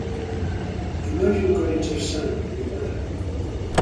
Imagine grains of sand in a bag.